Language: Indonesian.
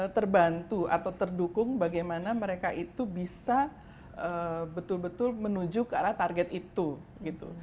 terbantu atau terdukung bagaimana mereka itu bisa betul betul menuju ke arah target itu gitu